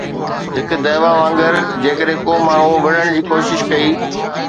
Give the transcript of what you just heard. هڪ دعوي وانگر جيڪڏهن ڪو ماڻهو وڙهڻ جي ڪوشش ڪئي